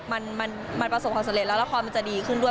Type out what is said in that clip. มันประสบขอเสร็จแล้วราคามันจะดีขึ้นด้วย